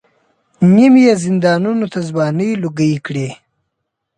نیم یې زندانونو ته ځوانۍ لوګۍ کړې.